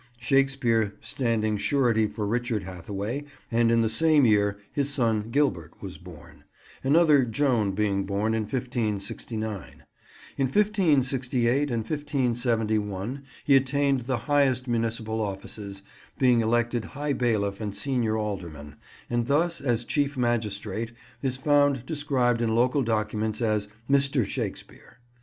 Shakespeare standing surety for Richard Hathaway; and in the same year his son Gilbert was born; another Joan being born in 1569. In 1568 and 1571 he attained the highest municipal offices, being elected high bailiff and senior alderman, and thus, as chief magistrate, is found described in local documents as "Mr." Shakespeare.